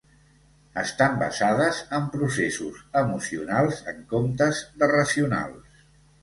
Estan basades en processos emocionals en comptes de racionals.